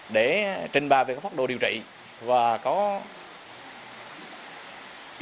để trình bà về pháp độ điều trị và có yếu tố